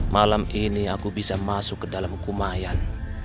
malam ini aku bisa masuk ke dalam kumayan